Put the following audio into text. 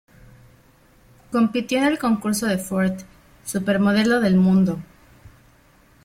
Compitió en el concurso de Ford, "Supermodelo del Mundo".